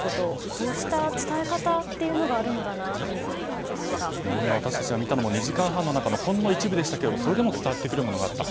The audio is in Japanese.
こうした伝え方っていうのがあるのだなというふうに今、私たちが見たのも２時間半の中のほんの一部でしたがそれでも伝わってくるものがあった。